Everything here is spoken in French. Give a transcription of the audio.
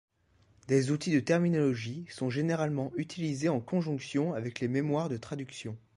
Des outils de terminologie sont généralement utilisés en conjonction avec les mémoires de traduction.